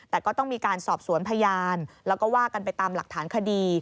แต่ก็ต้องมีการสอบสวนพยานแล้วก็ว่ากันไปตามหลักฐานคดี